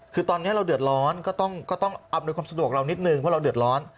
คือตอนนี้เราเดือดร้อนก็ต้องอำนวยความสะดวกเรานิดนึงเพราะเราเดือดร้อน